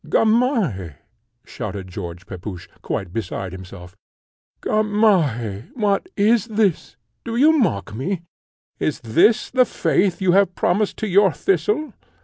"Gamaheh!" shouted George Pepusch, quite beside himself "Gamaheh! what is this? Do you mock me? Is this the faith you have promised to your Thistle?"